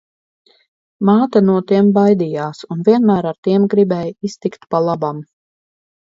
Māte no tiem baidījās un vienmēr ar tiem gribēja iztikt pa labam.